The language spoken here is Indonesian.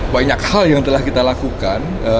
banyak hal yang telah kita lakukan